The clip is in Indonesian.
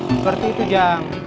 seperti itu jang